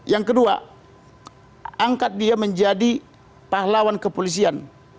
yang kedua angkat dia menjadi pahlawan kepolisian